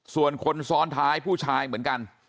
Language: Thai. ส่วนคนซ้อนท้ายผู้ชายเหมือนกัน